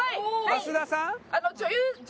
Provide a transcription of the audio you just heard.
益田さん？